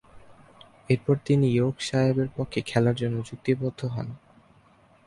এরপর তিনি ইয়র্কশায়ারের পক্ষে খেলার জন্য চুক্তিবদ্ধ হন।